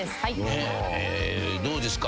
どうですか？